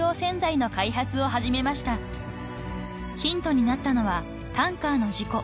［ヒントになったのはタンカーの事故］